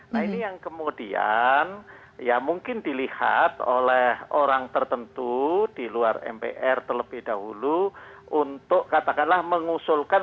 nah ini yang kemudian ya mungkin dilihat oleh orang tertentu di luar mpr terlebih dahulu untuk katakanlah mengusulkan